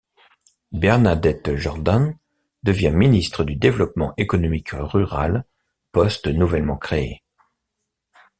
Bernadette Jordan devient ministre du Développement économique rural, poste nouvellement créé.